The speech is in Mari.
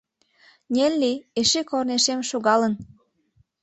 Нелли эше корнешем шогалын...